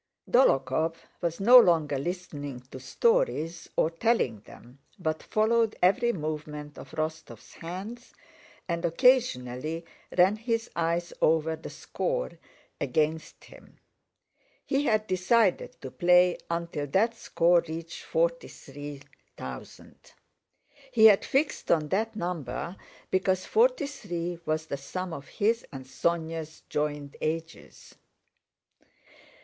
Dólokhov was no longer listening to stories or telling them, but followed every movement of Rostóv's hands and occasionally ran his eyes over the score against him. He had decided to play until that score reached forty three thousand. He had fixed on that number because forty three was the sum of his and Sónya's joint ages.